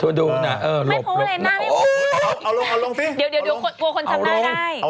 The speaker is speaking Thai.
เอาลงนักที่เด็กจะทำอย่างนี้